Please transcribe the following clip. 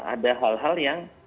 ada hal hal yang